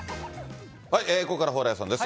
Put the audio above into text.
ここから蓬莱さんです。